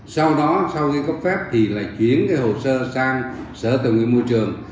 sau đó sau khi cấp phép thì là chuyển cái hồ sơ sang sở tầng nguyên môi trường